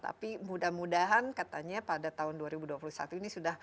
tapi mudah mudahan katanya pada tahun dua ribu dua puluh satu ini sudah